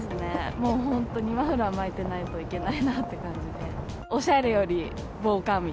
もう、本当にマフラー巻いてないといけないなって感じで。